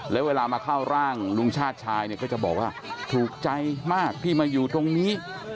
แล้วเวลามาเข้าร่างลุงชาติชายเนี่ยก็จะบอกว่าถูกใจมากที่มาอยู่ตรงนี้